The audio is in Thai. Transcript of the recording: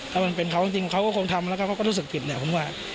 ถ้ามันเป็นเขาจริงเขาก็คงทำแล้วก็เขาก็รู้สึกผิดเนี่ยผมว่า